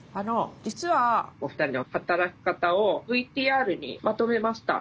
実はお二人の働き方をＶＴＲにまとめました。